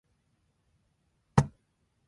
Graman re-signed with the Lions after the season.